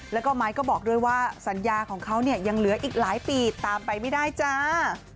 แล้วก็ไม้ก็บอกด้วยว่าสัญญาของเขาเนี่ยยังเหลืออีกหลายปีตามไปไม่ได้จ้า